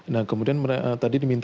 nah kemudian tadi diminta